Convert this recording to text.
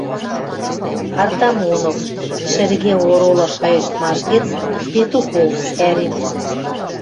Артамонов, ««Шӹргӹ оролы»» шайыштмаш гӹц, Петухов сӓрен.